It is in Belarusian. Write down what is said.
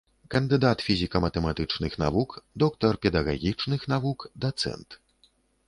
Кандыдат фізіка-матэматычных навук, доктар педагагічных навук, дацэнт.